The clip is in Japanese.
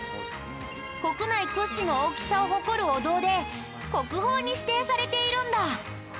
国内屈指の大きさを誇るお堂で国宝に指定されているんだ。